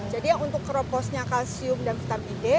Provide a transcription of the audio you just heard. jadi yang untuk keroposnya kalsium dan vitamin d